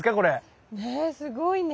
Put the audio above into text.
ねえすごいね。